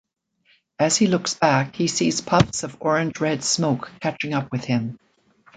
As he looks back, he sees puffs of orange-red smoke catching up with him.